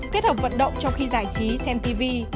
kết hợp vận động trong khi giải trí xem tv